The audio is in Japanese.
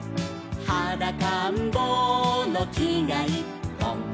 「はだかんぼうのきがいっぽん」